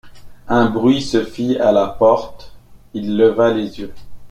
Un bruit se fit à la porte, il leva les yeux.